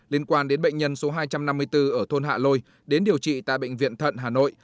liên quan đến bệnh nhân số hai trăm năm mươi bốn ở thôn hạ lôi đến điều trị tại bệnh viện thận hà nội